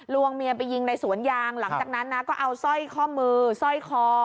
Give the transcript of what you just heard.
วงเมียไปยิงในสวนยางหลังจากนั้นนะก็เอาสร้อยข้อมือสร้อยคอ